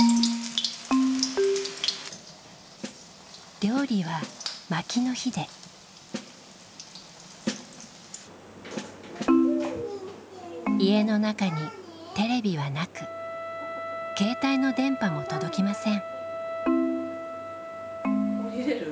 料理は薪の火で家の中にテレビはなく携帯の電波も届きません